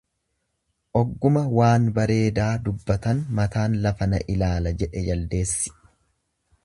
Ogguma waan bareedaa dubbatan mataan lafa na ilaala jedhe jaldeessi.